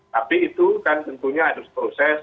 tapi itu kan tentunya harus proses